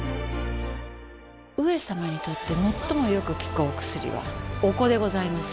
上様にとってもっともよく効くお薬はお子でございます。